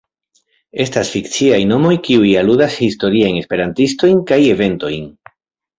Estas fikciaj nomoj kiuj aludas historiajn Esperantistojn kaj eventojn.